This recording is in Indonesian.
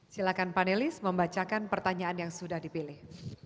silakan panelis membacakan pertanyaan yang sudah dipilih